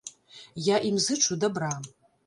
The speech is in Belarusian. Я ім зычу дабра.